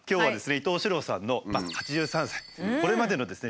伊東四朗さんのまあ８３歳これまでのですね